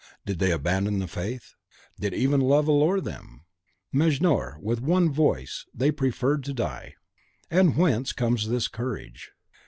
Did they abandon the faith? Did even love allure them? Mejnour, with one voice, they preferred to die. And whence comes this courage?